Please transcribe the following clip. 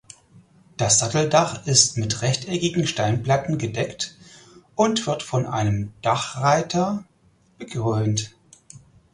Das Satteldach ist mit rechteckigen Steinplatten gedeckt und wird von einem Dachreiter bekrönt.